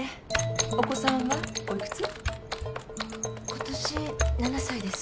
今年７歳です。